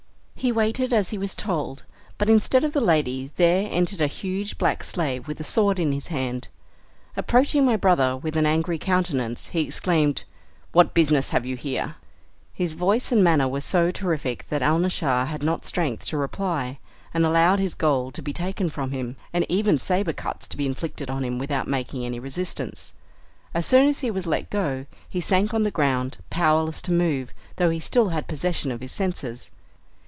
He waited as he was told, but instead of the lady there entered a huge black slave with a sword in his hand. Approaching my brother with an angry countenance he exclaimed, "What business have you here?" His voice and manner were so terrific that Alnaschar had not strength to reply, and allowed his gold to be taken from him, and even sabre cuts to be inflicted on him without making any resistance. As soon as he was let go, he sank on the ground powerless to move, though he still had possession of his senses.